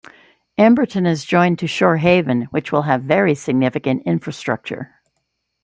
Amberton is joined to Shorehaven which will have very significant infrastructure.